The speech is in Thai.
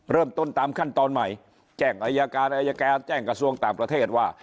เริ่มต้นตามขั้นตอนใหม่แจ้งอายการอายการแจ้งกระทรวงต่างประเทศว่า